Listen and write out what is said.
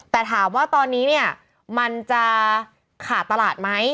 แต่ถามว่าตอนนี้เนี่ยมันจะขาดตลาดไหม